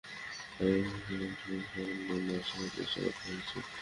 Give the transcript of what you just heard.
আবার কোথাও কিছু কাজ করে শাক দিয়ে মাছ ঢাকার চেষ্টা করা হয়েছে।